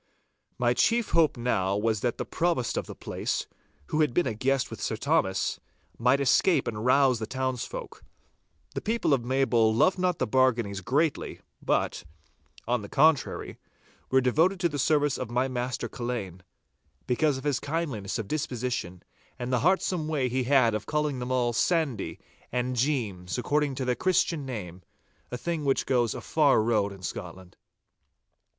My chief hope now was that the Provost of the place, who had been a guest with Sir Thomas, might escape and rouse the townsfolk. The people of Maybole loved not the Barganies greatly, but, on the contrary, were devoted to the service of my master Culzean, because of his kindliness of disposition, and the heartsome way he had of calling them all 'Sandy' and 'Jeems,' according to their Christian name, a thing which goes a far road in Scotland.